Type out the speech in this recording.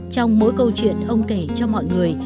trong mỗi câu chuyện ông kể cho mọi người